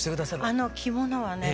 あの着物はね